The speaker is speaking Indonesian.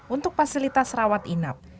untuk fasilitas rawat inap